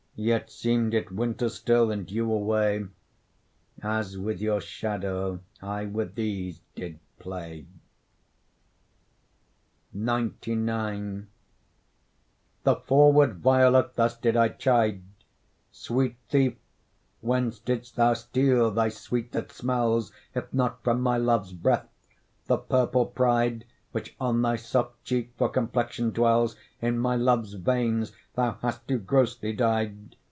Yet seem'd it winter still, and you away, As with your shadow I with these did play. XCIX The forward violet thus did I chide: Sweet thief, whence didst thou steal thy sweet that smells, If not from my love's breath? The purple pride Which on thy soft cheek for complexion dwells In my love's veins thou hast too grossly dy'd.